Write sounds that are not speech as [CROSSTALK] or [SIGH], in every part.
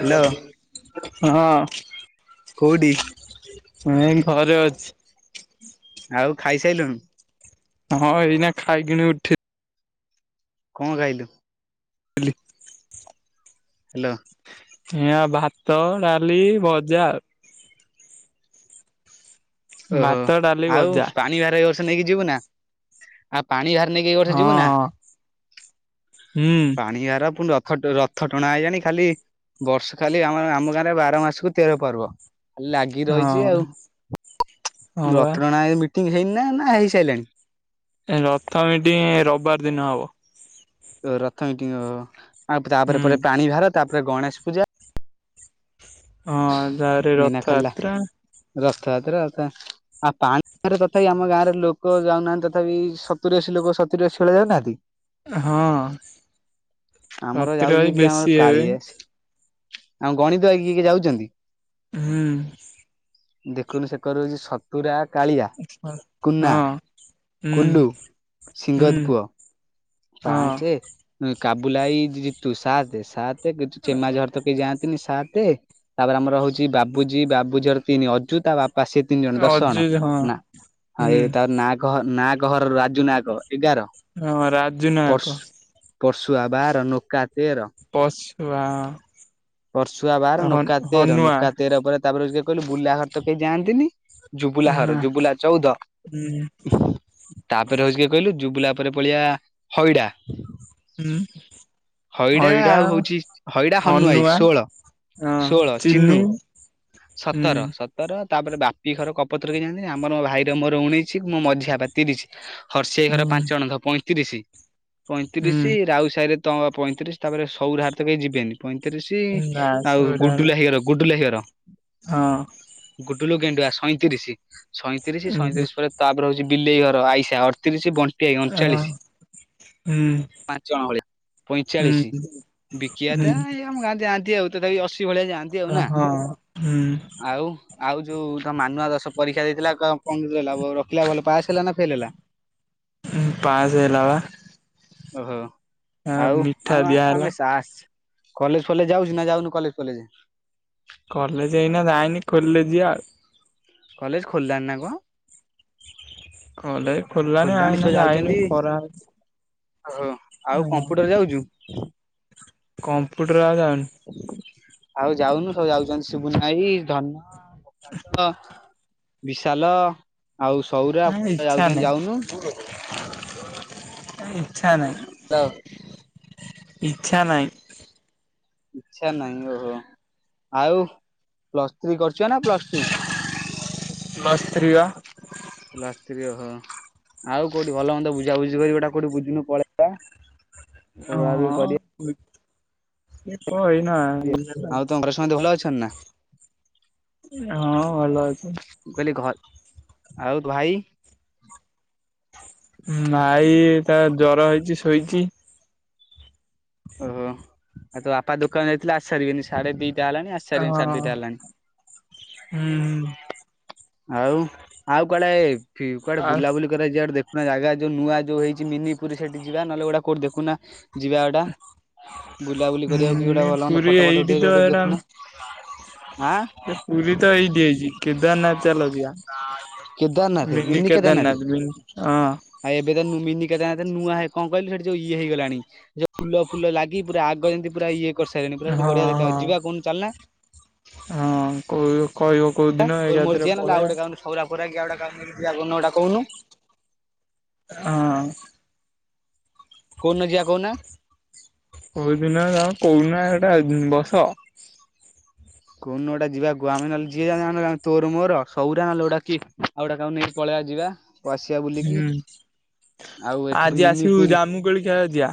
Hello ହଁ। କୋଉଟି? ମୁଁ ଏଇ ଘରେ ଅଛି। ଆଉ ଖାଇସାରିଲୁଣି? ହଁ ଏଇନା ଖାଇକିଣି ଉଠି କଣ ଖାଇଲୁ? କିଲି [UNINTELLIGIBLE] ହାଲୋ। ଏ ଆ ଭାତ, ଡାଲି, ଭଜା ଆଉ। ଓହୋ ଭାତ, ଡାଲି, ଆଉ ଭଜା। ପାଣି ଭାର ଏଇ ବର୍ଷ ନେଇକି ଯିବୁ ନା ଆଉ ପାଣି ଭାର ନେଇକି ଏ ବର୍ଷ ହଁ ଯିବୁନା? ହଁ ହୁଁ ପାଣି ଭାର ପୁଣ୍ଡ [UNINTELLIGIBLE] ରଥ ରଥ ଟଣା ଆଇଲାଣି ଖାଲି ବର୍ଷ ଖାଲି ଆମ ଆମ ଗାଁରେ ବାର ମାସକୁ ତେର ପର୍ବ। ଖାଲା ଲାଗି ରହିଚି ହଁ ଆଉ ହଁ ବା। ରଥ ଟଣା [UNINTELLIGIBLE] ହେଇନି ନା ହେଇସାରିଲାଣି? ରଥ ଏଠି ରବିବାର ଦିନ ହବ। ରଥ ଏଠି ଆଉ ତାପରେ ହୁଁ ପରେ ପାଣି ଭାର ତାପରେ ଗଣେଶ ପୂଜା ହଁ ଗାଁରେ ଏଇନା ଖାଲି ରଥଯାତ୍ରା। ରଥଯାତ୍ରା ଆତା ପାଣିରେ ତଥାପି ଆମ ଗାଁରେ ଲୋକ ଯାଉନାହାଁନ୍ତି ତଥାପି ସତୁରି ଅଶି ଲୋକ ସତୁରି ଅଶି ଭଳିଆ ଯାଉନାହାଁନ୍ତି କି? ହଁ ଆମର ରତିରଇ ଯାଉଚି କିଏ ବେଶୀ ଆମର ହେବେ। କାଳିଆ ଆମେ ଗଣିଦେବା କି କିଏ କିଏ ଯାଉଚନ୍ତି? ହୁଁ। ଦେଖୁନୁ ସେକରେ ହୋଉଚି ସତୁର ଆଠ କାଳିଆ, କୁନା, ହଁ ହୁଁ କୁଲୁ, ହୁଁ ସିଂହଦ ପୁଅ ହଁ। ପାଞ୍ଚେ କାବୁଲାଇ ଜିତୁ ସାତେ ସା ଠିକ୍ ଅଛି ଚେମା ଅଜା ଘର ତ କେହି ଯାଆନ୍ତିନି ସା ତେ ତାପରେ ଆମର ହୋଉଚି ବାବୁଜୀ ବାବୁଜୀ ଘର ତିନି ଅଜୁ ତା ବା ପା ସିଏ ତିନିଜଣ ଅଜୁ ଦଶଜଣ ହଁ ନା ହଁ ହୁଁ ଏଇ ତା ନାଅକ ଘ ନାଅକ ଘର ଜୁ ନାହକ ଏଗାର ଜୁ ନାଏକ ପର୍ଶୁଆ ବାର ନୋକା ପଶୁଆ ହଁ। ପର୍ଶୁଆ ବାର ନୋକା ତେର ନୋକା ତେର ପରେ ତାପରେ କିଏ କହିଲୁ ବୁଲାଘର ତ କେହି ଯାଆନ୍ତିନି। ଜୁବୁଲା ଘର ଜୁବୁଲା ଚୋଉଦ ହୁଁ ତାପରେ ହୋଉଚି କିଏ କହିଲୁ ଜୁବୁଲା ଉପରେ ପଳିଆ ହଇଡା ହୁଁ। ହଇଡା ଅଇଡା ଆଉ ହୋଉଛି ହଇଡା ହନୁଆଇ ଅନୁଆ ଷୋହଳ ହଁ ଚିନୁ ହୁଁ ସତର ସତର ତାପରେ ବାପି ଘର କପତର କେହୀ ଯାଆନ୍ତିି ଆମର ମୋ ଭାଇର ମୋର ଉଣେଇଶି ମୋ ମଝିଆ ବାପା ତିରିଶି। ହର୍ଶି ଭାଇ ଘର ହୁଁ ପାଞ୍ଚଜଣ ପଇଁତିରିଶ ପଇଁତିରିଶ ହୁଁ ରାଉତ୍ ସାହିରେ ତ ପଇଁତିରିଶି ତାପରେ ସଉରା ହରତ କେହି ଯିବେନି। ପଇଁତିରିଶ ନା ଆଉ ସେଗୁଡା ଗୁଡୁଲୁ ହାଇ ଘର ଗୁଡୁଲୁ ହାଇ ଘର ହଁ। ବୁଲୁ ଗେଣ୍ଡୁଆ ସଇଁତିରିଶ ସଇଁତିରିଶ ଉଁ ସଇଁତିରିଶ ପରେ ତାପରେ ହଉଛି ବିଲେଇ ଘର ଆଇଷା ଅଠତିରିଶି ବ କେ ହଁ ଅଣଚାଳିଶି। ହୁଁ ପାଞ୍ଚଜଣ ଭଳିଆ ପଇଁଚାଳିଶ ହୁଁ ବିକିି ଆଦା ହୁଁ ଏଇ ଆମ ଗାଁରୁ ଯା ତି ଆଉ ତଥାପି ଅଶି ଭଳିଆ ଯାଆନ୍ତି ଆଉ ନା ହଁ ହୁଁ ଆଉ ଆଉ ଯୋଉ ତ ମାନୁଆ ଦଶ ପରୀକ୍ଷା ଦେଇଥିଲା କଣ ରଖିଲା ଭଲ ପାସ ହେଲା ନା ଫେଲ ହେଲା। ପାସ୍ ହେଲା ବା ଓ ହୋ ଆ ଆଉ ମିଠା ଆଉ ଦିଆହେଲା ଆମେ ସା କଲେଜ ଫଲେଜ ଯାଉଛି ନା ଯାଉନୁ କଲେଜ ଫଲେଜ କଲେଜ ଏଇନା ଯାଇନି ଖୋଲିଲେ ଯିବା ଆଉ। କଲେଜ ଖୋଲିଲାଣି ନା କଣ? କଲେଜ ଖୋଲିଲାଣିି ଖୋଲିଲାଣି ଛୁଆ ଏଇନେ ଯାଉଛନ୍ତି ଯାଇନି ଖରା ଓହୋ ଆଉ ହଁ କମ୍ପ୍ୟୁଟର ଯାଉଛୁ। କମ୍ପ୍ୟୁଟର ଆଉ ଯାଉନି। ଆଉ ଯାଉନୁ ସବୁ ଯାଉଛନ୍ତି ଶିବୁନ ଭାଇ ଧନ ବିଶାଲ ଆଉ ସଉରା ଯାଉଚନ୍ତି ଯାଉନୁ। କାଇଁ ଇଚ୍ଛା ନାହିଁ। ଇଚ୍ଛା ନାଇଁ। ଇଚ୍ଛା ନାହିଁ ଓ ହୋ ଆଉ ପ୍ଲସ ଥ୍ରୀ କରିଛ ନା ପ୍ଲସ ଟୁ? ପ୍ଲସ୍ ଥ୍ରୀ ବା କ୍ଲାସ ସ୍ତ୍ରୀ ଓହୋ। ଆଉ କୋଉଠି ଭଲ ହୁଅତା ବୁଝାବୁଝି କରି ଗୋଟେ କୋଉଠି ବୁଝୁନୁ ପଳେଇବା। ରୋଳା ରୋଳି ହଁ। କରିବା। ହଁ ଏଇନା ଆଉ ତମ ଘରେ ସମସ୍ତେ ଭଲ ଅଛନ୍ତି ନା ହଁ ଭଲ ଅଛି। ମୁଁ କହିଲି ଘ ଆଉ ଭାଇ? ଭାଇ ତାର ଜର ହେଇଚି ଶୋଇଚି। ଓହୋ ଆଉ ତୋ ବାପା ଦୋକାନ ଯଥିଲେ ଆସି ସାରିବେନି ସାଢ଼େ ଦିଇ ହେଲାଣି ଆସିସାରିବେଣି ସାଢ଼େ ହଁ ଦିଇଟା ହେଲାଣି। ହୁଁ ଆଉ ଆଉ କୁଆଡେ ଫି କୁଆଡେ ଆଉ ବୁଲାବୁଲି କରିଇବାକୁ ଯିବା? ସେ ଦେଖୁନା ଜାଗା ଯୋଉ ନୂଆ ଯୋଉ ହେଇଚି ମିନି ପୁରୀ ସେଠି ଯିବା ନହେଲେ ଗୁଟା କୋଠି ଦେଖୁନା ଯିବା ଏଟା ବୁଲାବୁଲି କରିବାକୁ କି ଗୋଟେ ମିନି ଭଲ ହ ପୁରୀ ଫଟୋ ଫଟ ଏଇଠି ତ ଉଠେଇ ଗୋଟେ ଏଇଟା ଦେଖୁନ। ଏ ପୁରୀ ତ ଏଇଠି ହେଇଛି। କେଦାରନାଥ ଚାଲଯିବା, ମିନି କେଦାରନାଥ, ମିନି ହଁ ଆଉ ଏବେ ତ ନମିନି କେଦ ନୂଆ, କଣ କହିଲୁ, ସେଠି ଯୋଉ ଇଏ ହେଇଗଲାଣି, ଯଉ ଫୁ ଫୁଲ ଲାଗି ପୁରା ଆଗ ଯେମିତି ପୁରା ଇଏ କରିସାରିଲେଣି ପୁରା ସେଠି ହଁ ବଢିଆ ଦେଖାଯାଉଛି, ହଁ। ଯିବା କହୁନ ଚାଲୁନା। ହଁ, କ କହିବ କୋଉ ଦିନ ଏକାଥରେ ପଳେଇବା। ପଆଟା କାମିଆନୁଟା [UNINTELLIGIBLE] କହୁନୁ ହଁ କଉନ ଯିଆ କୋଉନା। କୋଉ ଦିନ କଣ [UNINTELLIGIBLE] କହୁନା ଏଟା ବସ କୋଉନ ଗୋଟା ଯିବାକୁୁ ଆମେ ନେଲେ ଯିଏ ଯ ତୋର ମୋର ସୌରା ନହଲେଟା କି ଆଉଟାକୁ ନେଇକି ପଳେଇ [UNINTELLIGIBLE] ଯ ଯିବା। ଆସିବା ବୁଲିକି ହୁଁ। ଆଉ ଏଠିକି ଆଜି ମିନି ଆସିବୁ ପୁରୀ। ଜାମୁକୋଳି ଖେଳ ଯିବା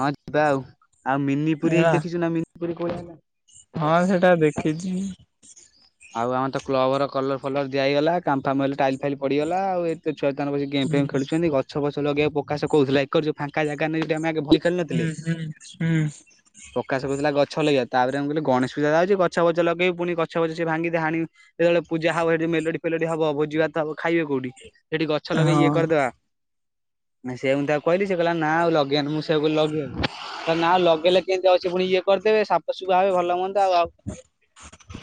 ହଁ ଯିବା ଆଉ, ଆଉ ମିନି ପୁରୀ ହେଇକି ହେଲା ଦେଖିଛୁ ନା ମିନିପୁରୀ କୋଠ ହେଲା ହଁ ସେଟା ଦେଖିଛି। ଆଉ ଆମର ତ କ୍ଲବ ର କଲର ଫଲର ଦିଆ ହେଇଗଲା, କାମଫାମ ଟାଇଲ ଫାଇଲ ପଡିଗଲା, ଆଉ ଏ ଚାନ ହୁଁ। ଗେମ୍ଫେମ୍ [UNINTELLIGIBLE] ଖେଳୁଛନ୍ତି ଗଛ ଫଛ ଲଗେଇକୁ ପ୍ରକାଶ କହୁଥିଲା ଏକର ଯୋଉ ଫାଙ୍କା ଜାଗା ନାଇ। ଆମେ ଆ ଭୁଲ ଖେଳ [UNINTELLIGIBLE] ନଥିଲେ ହୁଁ ହୁଁ ପ୍ରକାଶ କହୁଥିଲା ଗଛ ଛଲଗା ତାପରେ ଆେ କିଲ ଗଣେଶୂଜା ଅଛିଛ ଲଗେଇବ ପୁଣି ଗଛବଛ [UNINTELLIGIBLE] ସେ ଭାଙ୍ଗିବେ, ହାଣିବେ, ଯେତେବେଳେ ପୂଜା ହବ, ଏଠି ମେଲୋଡି ଫେଲୋଡି ହବ, ଭୋଜି ଭାତ ହବ, ଖାଇବେ କୋଉଠି? ସେଠି ଗଛ ଲଗେଇ ଇଏ ହଁ କରିଦେବା ସେ ମୁଁ ତାକୁ କହିଲି ସେ କହିଲା ନା ଆଉ ଲଗେଇଆନ ମୁଁ ସେ ଲଗେଇଆବ ତାଲେ [UNINTELLIGIBLE] ନା ଲଗେଇଲେ କେମିତି ଅଉଛି ପୁଣି ଇଏ କରିଦେବେ ସାଫସୁଫା ହାବେ ଭଲ ମନ୍ଦ ଆଉ ଆଉ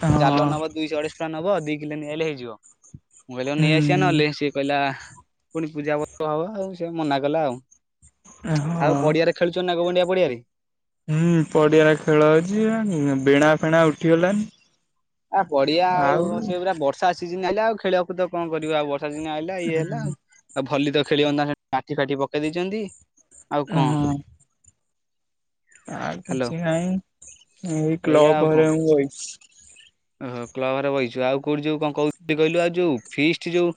ହଁ ଜାଲ ନେବ ଦୁଇଶହ ଅଢେଇଶ ଟଙ୍କା ନେବ ଦିକିଲୋ ନେଇଆହେଲେ ହେଇଯିବ, ମୁଁ କହିଲି ନେଇ ଆସିବା ହୁଁ ନହଲେ ସିଏ କହିଲା ପୁଣି ପୂଜା ପର୍ବ ହବ ଆଉ ସେ ମନା କଲା ଆଉ, ହଁ ଆଉ ପଡିଆରେ ଖେଳୁଛ ନା ଗବଣ୍ଡିଆ। ପଡିଆରେ ହୁଁ ପଡିଆର ଖେଳ ଅଉଛି ବେଣା ଫେଣା ଉଠିଗଲ। ଣି। ଆ ପଡିଆ ଆଉ, ସେ ପୁରା ବର୍ଷା ସିଜନ ହେଲେ ଆଉ ଖେଳକୁଦ କଣ କରିବ, ଆଉ ବର୍ଷା ଦ [UNINTELLIGIBLE] ହେଲା ଇଏ ହୁଁ ହେଲା ଆଉ ଭଲି ତ ଖେଳିବନ୍ତା ମାଟି ଫାଠି ପକେଇ ଦେଇଛନ୍ତି। ଆଉ ଙ୍କ ଆ କିଛି ନାଇ ଏ ଏଇଆ ଆଉ କ୍ଲବ କଣ। ଘରିକାରେ ବଇଚି। ଓହୋ କ୍ଲବ ରେ ବହିଛୁ ଆଉ କୋଉଠି ଯୋଉ କଣ କହୁଛି କହିଲୁ ଆଉ ଯୋଉ ଫିଷ୍ଟ ଯୋଉ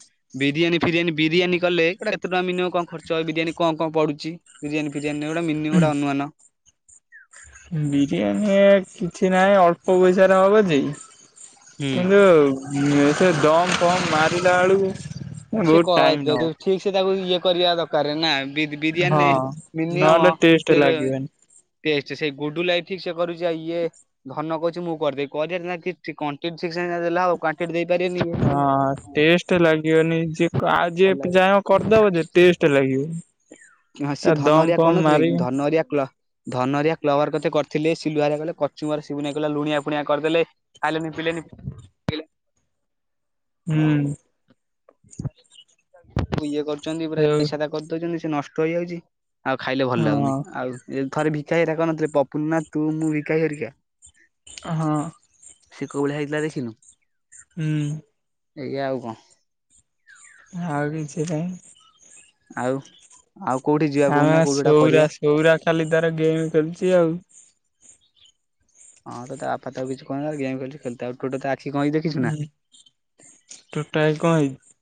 ବିରିୟାନୀ ଫିରିୟାନୀ ବିରିୟାନୀ କଲେ ଗୋଟେ କେତେ ଟଙ୍କା ମିନିମମ୍ କଣ ଖର୍ଚ୍ଚ ବିୟାନୀ କଣ କଣ ପଡୁଛି ବିରିୟାନୀ ଫିରିୟାନୀ ଗୋଟେ ମିନିମମ ଗୋଟେ ଅନୁମାନ। ବିରିୟାନୀ କିଛି ନାହିଁ ଅଳ୍ପ ପଇସା ହବ ଯେ ହୁଁ। କିନ୍ତୁ ଏ ସେ ଦମ ଫମ ମାରିଲା ବେଳକୁ ସେ ବହୁତ ଟାଇମ କହଦ ନବ ଠିକ ସେ ତାକୁ ଇଏ କରିବା ଦରକାର ନା ବି ବିରିୟାନୀ ହଁ। ମିନିୟମ ନହେଲେ ଟେଷ୍ଟ ଲାଗିବନି ସିଏ ସେଇ ଗୁଡ଼ୁ ଲାଇଫିକ ସେ ଠିକ କରୁଚି ଆଉ ଇଏ ଧନ କହୁଛି ମୁଁ କରିଦବି କରିବାରେ କିଛି କଣ୍ଟେଣ୍ଟ ଠିକ ସେ ସିନା ଯା ଦେଲେ ହବ କ୍ୱାଣ୍ଟିଟି ଦେଇ ହଁ ଟେଷ୍ଟ ଲାଗିବନି ଯେ ଆଉ ଯିଏ ଭଲ ଚାହିଁବ ଲାଗିବ କରିଦବ ଯେ ଟେଷ୍ଟ ଲାଗିବନି। ହଁ ସିଏ ଧନହେରିଆ କରୁ ନ ଥିଲେ କି ଧନ ହେରିକା ଧନ ହେରିକା କ୍ଲବଘରେ କ ତେ କରିଥିଲେ ସିଲୁ କଲେ କଚୁମର ସିବୁନ ଭାଇ କହିଲା ଲୁଣିଆ ଫୁଣିଆ କରିଦେଲେ ଖାଇଲେନି ପିଲି ହୁଁ। ଇଏ କରୁଛନ୍ତି ପୁରା ଯଉ [UNINTELLIGIBLE] କରିଦଉଛନ୍ତି ସେ ନଷ୍ଟ ହେଇଯାଉଚି। ଆଉ ଖାଇଲେ ଭଲ ହଁ ଲାଗୁନି ଆଉ ଥରେ ଭିକା ହେରିକା କରୁନଥିଲେ ପପୁନ ନା ତୁ ମୁଁ ଭିକାଭାଇ ହାରିକା। ହଁ। ସେ କୋଉ ଭଳିଆ ହେଇଥିଲା ଦେଖିନୁ। ହୁଁ। ଏଇଆ ଆଉ କଣ? ଆଉ କିଛି ନାହିଁ। ଆଉ ଆଉ କୋଉଠି ଯିବା ଆମେ କହୁନା କୋଉଠି ଗୋଟା ସୌରା କରିବା। ସୌରା ଖାଲି ତାର ଗେମ୍ ଖେଳୁଚି ଆଉ। ହଁ ତ ତା ବାପା ତାକୁ କିଛି କୋହୁନି ତା ଗେମ୍ ଖେଳୁଚି ଖେଳୁଥାଉ ଗୋଟେ ତା ଆଖି କଣ ହେଇଛି ଦେଖିଛୁ ନା? ଉଁ [UNINTELLIGIBLE] କଣ ହେଇଚି?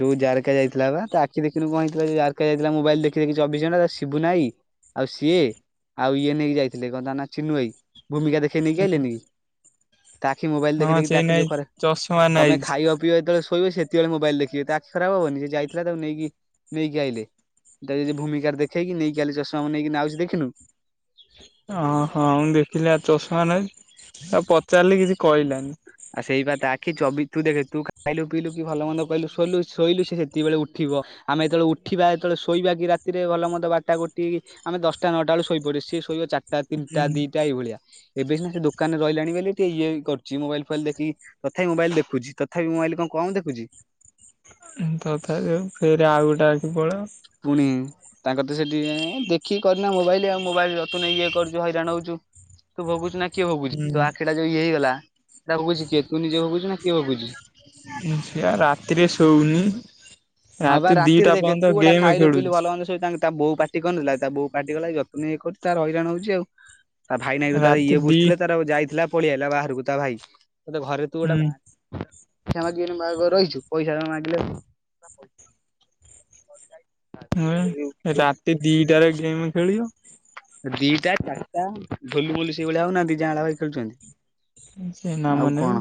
ଯୋଉ ଜାରକା ଯାଇଥିଲା ବା ତା ଆଖି ଦେଖିନୁ କଣ ହେଇଥିଲା ଯୋଉ ଜାରକା ଯାଇଥିଲା ମୋବାଇଲ ଦେଖି ଦେଖି ଚବିଶ ଘଣ୍ଟା ତା ଶିବୁନାଆଇ ଆଉ ସିଏ ଆଉ ଇଏ ନେଇକି ଯାଇଥିଲେ ଯାଇଥିଲେ ତା ନା ଚିିନୁଭାଇ ଭୂମିକା ଦେଖେଇ ନେଇକି ଆଇଲେନି କି? ତା ଆଖି ମୋବାଇଲ ହଁ ଦେଖି ଦେଖି ସେଇ ତାଖି ନାଇ ଯୋଉ ଖରା ଚଷମା ତମେ ନାଇଛି। ଖାଇବ ପିଇବା ଯେତେବେଳେ ଶୋଇବ ସେତିକିବେଳେ ମୋବାଇଲ ଦେଖି ତା ଆଖି ଖରାପ ହବନି ସେ ଯାଇଥିଲା ତାକୁ ନେଇକି ନେଇକି ଆଇଲେ। [UNINTELLIGIBLE] ଭୂମିକାର ଦେଖେଇକି ନେଇକି ଆଲି ଚଷମା ନେଇକି ଆଉଛି ଦେଖିନୁ। ଓ ହୋ ମୁଁ ଦେଖିଲି ଆଉ ଚଷମା ନେଇଚି ଆଉ ପଚାରିଲି କିଛି କହିଲାନି। ଆଉ ସେଇ ବା ତା ଆଖି ଚବି ତୁ ଦେଖେ ତୁ ଖାଇଲୁ ପିଇଲୁ କି ଭଲ ମନ୍ଦ କହିଲୁ ଶୋଇଲୁ ଶୋଇଲୁ ସେ ସେତିିବବେଳେ ଉଠିବ ଆମେ ଯେତେବେଳେ ଉଠିବା ଯେତେବେଳେ ଶୋଇବା କି ରାତିରେ ଭଲ ମନ୍ଦ ବରଟା ଆମେ ଦଶଟା ନଅଟା ବେଳେ ଶୋଇପଡୁ ସିଏ ଶୋଇବା ଚାରଟା। ତିନିଟା ହୁଁ ଦିଟା ଏଇ ଭଳିଆ ଏବେ ସିନା ସେ ଦୋକାନରେ ରହିଲାଣି ବୋଲି ଟିକେ ଇଏ କରୁଚି ମୋବାଇଲ [UNINTELLIGIBLE] ଦେଖିକି ତଥାପି ମୋବାଇଲ ଦେଖୁଚି ତଥାପି ମୋବାଇଲ କଣ କମ୍ ଦେଖୁଚି? [UNINTELLIGIBLE] ଫେରେ ଆଉ ଗୋଟେ ଆଖି ପଳାଇବ। ପୁଣି ତାଙ୍କର ତ ସେଠି ଦେଖିକି କରିନା ମୋବାଇଲ ଆଉ ମୋବାଇଲ ଯତୁନେ ଇଏ କରୁଛୁ ହଇରାଣ ହଉଚୁ। ତୁ ଭୋଗୁଚୁ ନା କିଏ ଭୋଗୁଚି ତୋ ହୁଁ ଆଖିଟା ଯଉ ଇଏ ହେଇଗଲା ସେଇଟା ଭୋଗୁଚି କିଏ ତୁ ନିଜେ ଭୋଗୁଚୁ ନା କିଏ ଭୋଗୁଚି। ସେଇ ଆ ପା ରାତିରେ ଶୋଉନି। ହଁପା ରାତି ରାତିରେ ଦିଟା ଦେଖେ ପର୍ଯ୍ୟନ୍ତ ତୁ ଗୋଟେ ଗେମ୍ ଖାଇଲୁ ପିଲୁ ଖେଳୁଛି। ଭଲ ମନ୍ଦ ସୋ ତା ବୋ ପାଟି କରୁନଥିଲା। ତା ବୋଉ କାଟିକଲା ଯତୁନେ ଇଏ କରୁଚି ତାର ହଇରାଣ ହଉଛି ଆଉ ତା ଭାଇ ନଗି ତାର ରାତି ଇଏ ଦି ବୁଝୁଥିଲେ ତାର ଯାଇଥିଲା ପଳିଆଇଲା ବାହାରକୁ ତା ଭାଇ ଘରେ ତୁ ଗୋଟେ ହୁଁ ବା [UNINTELLIGIBLE] ରହିଛୁ ପଇସା ମାଗି ହୁଁ ରାତି ଦିଟାରେ ଗେମ୍ ଖେଳିବ। ଦିଟା ଚାରିଟା ଢୋଲୁ ମୋଲୁ ସେଇଭଳିଆ ହଉ ନାହାନ୍ତି ଜାଁଳା ଭାଇ ଖେଳୁଚନ୍ତି। ସେ ନାମ ନେବେ।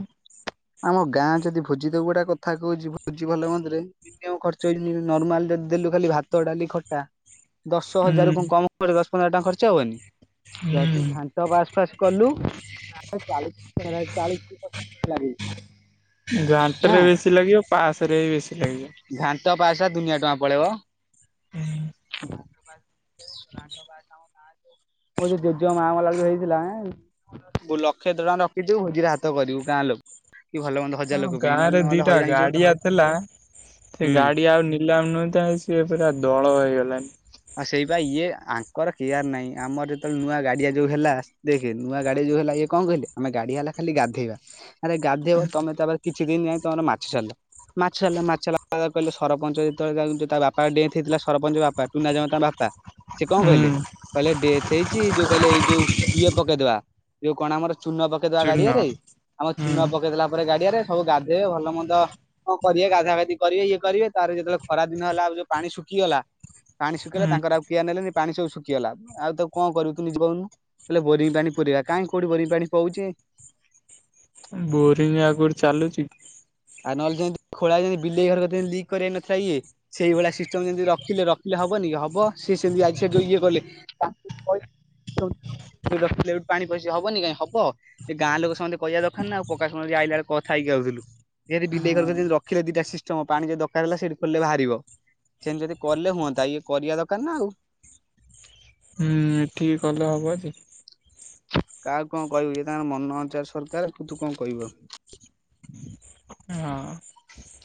ଆମ ଗାଁ ଯଦି ଭୋଜି ତ ଗୋଟେ କଥାକୁ କୋହୁଛି ଭୋଜି ଭଲ ମନ୍ଦରେ ମିନିମମ୍ ଖର୍ଚ୍ଚ ହେଇଯିବ ନାର୍ମାଲ ଯଦି ଦେଲୁ ଖାଲି ଭାତ, ଡାଲି, ଖଟା ଦଶ ହଜାର ହୁଁ କଣ କମ ଦଶ ପନ୍ଦର ଟଙ୍କା ଖର୍ଚ୍ଚ ହବନି? ଯଦି ହୁଁ ଘାଣ୍ଟ ବାସ ପାସ ଫାସ କଲୁ ତାହେଲେ ଚାଳିଶଚ କି ପଚାଶ [UNINTELLIGIBLE] ଘାଣ୍ଟ ନା ରେ ବେଶୀ ଲାଗିବ ପାସ ରେ ବି ବେଶୀ ଲାଗିବ। ଘଣ୍ଟା ପାସପା ଦୁନିଆ ଟଙ୍କା ପଳେଇବ। ହୁଁ। [UNINTELLIGIBLE] ମୋ ଯୋଉ ଜେଜେ ମା ମଲା ଯୋଉ ହେଇଥିଲା ମୁ ଲକ୍ଷେ ଟଙ୍କା ରଖିଥିବୁ ଭୋଜିରେ ହାତ କରିବୁ କାଁ ଲୋକ। କି ଭଲ ମନ୍ଦ ହଜାର ହଁ ଲୋକ ପାଇଁ ନହେଲେ ଗାଁରେ ନହେଲେ ଦିଟା ହଇରାଣ ହେଇଯିବୁ ଗାଡିଆଥିଲା ସେ ହୁଁ। ଗାଡି ଆଉ ନିଲାମ ନୁହ ତା ସିଏ ପୁର ଆଉ ଦୋଳ ହେଇଗଲାଣି। ସେଇ ପା ଇଏ ଆଙ୍କର କେୟାର ନାଇଁ ଆମର ଯେତେବେଳେ ନୂଆ ଗାଡିଆ ଯୋଉ ହେଲା ଦେଖେ ନୂଆ ଗାଡିଆ ଯୋଉ ହେଲା କଣ କହିଲେ ଆମେ ଗାଡି ହେଲା ଖାଲି ଗାଧେଇବା ଆରେ ଗାଧେଇବା ତମେ ତାପରେ କିଛି ଦିନ ଯାଇ ତମର ମାଛ ଚାଲ। [UNINTELLIGIBLE] ତୁ ନା ଯାମା ତ ବାପା। ସେ କଣ କହିଲେ? ହୁଁ କହିଲେ ଡେଥ ହେଇଛିି ଯୋଉ କହିଲେ ଏଇ ଯୋଉ ଇଏ ପକେଇଦବା ଯୋଉ କଣ ଆମର ଚୂନ ପକେଇଦବା ଚୂନ ଗାଡିଆରେ ଆମ ହୁଁ ଚୁନ ପକେଇଦଲା ପରେ ଗାଡି ଡିଆରେ ସବୁ ଗାଧୋଇବେ ଭଲନ୍ଦଁ କରିବ ଗଧାଗାଧି କରିବେ ଇଏ କରିବେ ତାର ଯେତେବେଳେ ଖରା ଦିନ ହେଲା ଆଉ ଯୋଉ ପାଣି ପାଣି ଶୁଖିଗଲା। ପାଣି ଶୁଖେଇଗଲା ହୁଁ ତାଙ୍କର ଆଉ କିୟ ନେଲେନି ପାଣି ସବୁ ଶୁଖିଗଲା ଆଉ ତ କଣ କରିବୁ ନିଜ କଉନୁ? ବୋଇଲେ ବୋରିଂ ପାଣି ପୁରିବା, କାହିଁ କୋଉଠି ବୋରିଙ୍ଗ ପାଣି ପଉଛି? ବୋରିଂ ଆଗରୁ ଚାଲୁଛି କି? ଆ ନହେଲେ ଯେମ ଖୋଳା ବିଲେଇ ଘର ଲିକ୍ କରଇ ନଥିଲା ଇଏ ସେଇ ଭଳିଆ ସିଷ୍ଟମ ଯେମତି ରଖିଲେ ରଖିଲେ। ହବନି ହବ ସିଏ ସେମିତି ଆ ଇଏ କଲେ ରଖିଲେ ଠୁ ପାଣି ପଇସ ହବନି କାଇଁ ହବ ସେ ଗାଁ ଲୋକ ସମସ୍ତେ କହିବା ଦରକାର ନାଉ କକା ଯ ଆଇଲା ବେଳେ କଥା ହେଇକି ବିଲେଇ ହଁ ଘରି ରଖିଲେ ଦିଟା ସିଷ୍ଟମ ପାଣି ଯ ଦରକାର ହେଲା ସେଠି ଖୋଲେ ବାହାରିବ। ସେନ ଯଦି କଲେ ହୁଅନ୍ତା ଇଏ କରିବା ଦରକାର ନା ଆଉ। ହୁଁ ଠିକ କଲେ ହବ ଯେ। କାହାକୁ କଣ କହିବୁ ଇଏ ତାଙ୍କର ମନ ଅଜାର ସରକାର ତୁ ତୁ କଣ କହିବୁ ଆଉ? [INAUDIBLE] ହଁ।